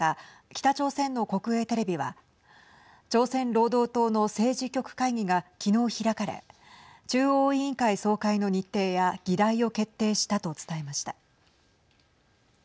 北朝鮮の国営テレビは朝鮮労働党の政治局会議が、きのう開かれ中央委員会総会の日程や議題を決定したと伝えました。